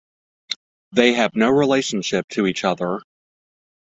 They have no relationship to each other.